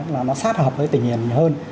là nó sát hợp với tỉnh hiền hơn